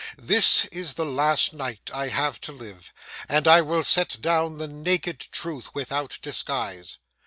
This is the last night I have to live, and I will set down the naked truth without disguise.